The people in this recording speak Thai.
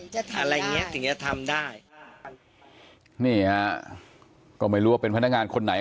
อะไรอย่างเงี้ยถึงจะทำได้นี่ฮะก็ไม่รู้ว่าเป็นพนักงานคนไหน